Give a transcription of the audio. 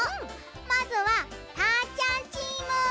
まずはたーちゃんチーム！